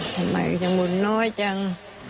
ทำไมก็ยังหมุนน้อยจัง